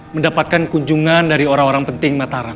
mendapatkan kunjungan dari orang orang penting mataram